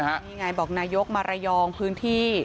นี่ไงบอกนายกมาระยองพื้นที่